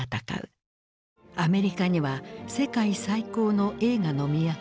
アメリカには世界最高の映画の都